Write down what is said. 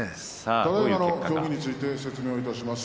ただいまの協議について説明します。